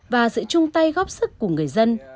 và sự chung tay góp sức của người dân